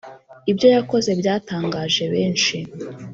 ibyo yakoze byatangaje benshi